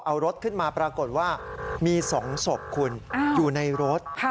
เอารถขึ้นมาปรากฏว่ามี๒ศพคุณอยู่ในรถ